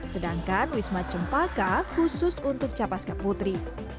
sedangkan wisma cempaka khusus untuk capaska putri